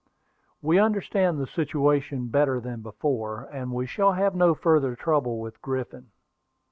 "We understand the situation better than before, and we shall have no further trouble with Griffin.